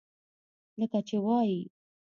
لکه چې وائي: